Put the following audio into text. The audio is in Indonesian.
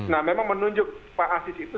nah memang menunjuk pak asis itu